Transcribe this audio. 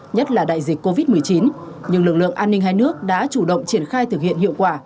nhất là đại dịch covid một mươi chín nhưng lực lượng an ninh hai nước đã chủ động triển khai thực hiện hiệu quả